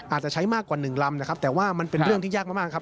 อาจจะใช้มากกว่าหนึ่งลำนะครับแต่ว่ามันเป็นเรื่องที่ยากมากครับ